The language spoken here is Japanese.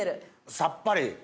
さっぱり！